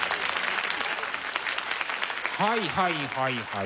はいはいはいはい。